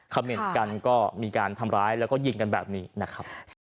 เหม็นกันก็มีการทำร้ายแล้วก็ยิงกันแบบนี้นะครับ